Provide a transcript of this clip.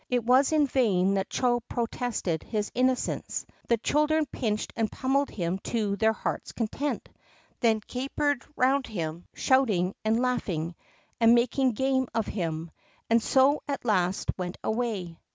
It was in vain that Chô protested his innocence; the children pinched and pummeled him to their hearts' content, then capered round him, shouting and laughing, and making game of him, and so at last went away.